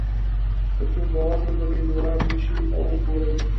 که څوک باور نه لري نو را دې شي او وګوري.